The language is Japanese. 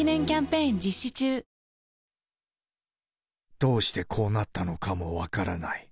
どうしてこうなったのかも分からない。